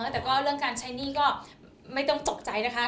แต่ก็เรื่องการใช้หนี้ก็ไม่ต้องตกใจนะคะ